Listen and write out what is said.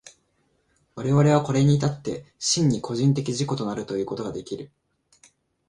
我々はこれに至って真に個人的自己となるということができる。